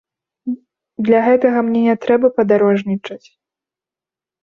Для гэтага мне не трэба падарожнічаць.